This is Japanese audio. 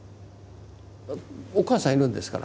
お母さんいるんですから。